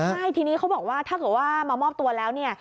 ใช่ทีนี้เขาบอกว่าถ้าเกิดว่ามามอบตัวแล้วเนี่ย